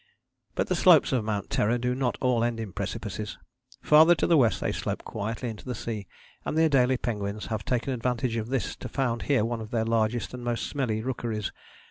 But the slopes of Mount Terror do not all end in precipices. Farther to the west they slope quietly into the sea, and the Adélie penguins have taken advantage of this to found here one of their largest and most smelly rookeries.